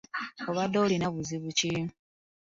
Obadde olina buzibu ki?